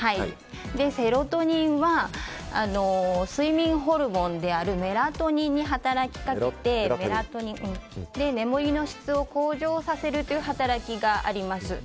セロトニンは睡眠ホルモンであるメラトニンに働きかけて眠りの質を向上させる働きがあります。